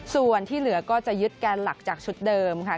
ส่วนที่เหลือก็จะยึดแกนหลักจากชุดเดิมค่ะ